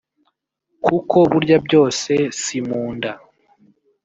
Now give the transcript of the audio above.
kuko burya byose si mu nda